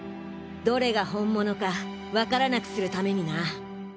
どれが本物かわからなくする為にな。